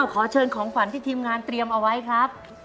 ขอเชิญของขวัญที่ทีมงานเตรียมเอาไว้ครับ